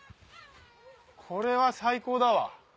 これは最高だわ。